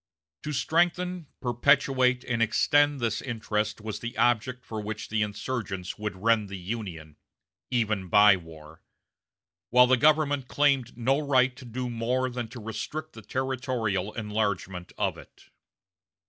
To strengthen, perpetuate, and extend this interest was the object for which the insurgents would rend the Union, even by war; while the government claimed no right to do more than to restrict the territorial enlargement of it.